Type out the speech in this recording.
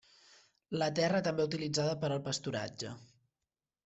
La terra també utilitzada per al pasturatge.